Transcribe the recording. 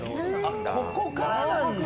ここからなんだ。